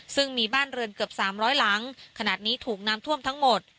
ซึ่งมีบ้านเรือนเกือบ๓๐๐หลังขนาดนี้ถูกน้ำท่วมทั้งหมด